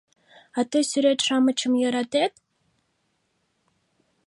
А тый сӱрет-шамычым йӧратет?